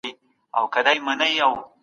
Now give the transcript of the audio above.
يو انسان بايد خپله پښتو ژبه وساتي.